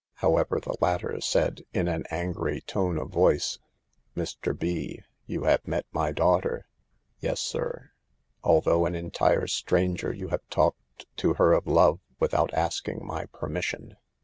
However the latter said, in an angry tone of voice :" Mr. B , you have met my daughter." " Yes, sir." "Although an entire stranger, you have talked to her of love, without asking my per mission.